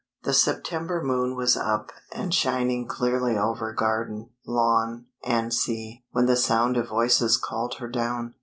The September moon was up and shining clearly over garden, lawn, and sea, when the sound of voices called her down.